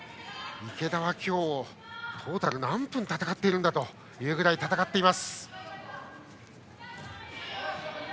池田は今日、トータルで何分戦っているんだというくらい戦っています。